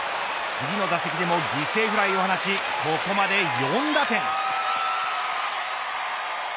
次の打席でも犠牲フライを放ちここまで４打点。